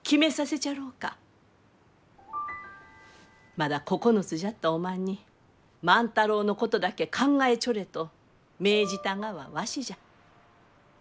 まだ９つじゃったおまんに万太郎のことだけ考えちょれと命じたがはわしじゃ。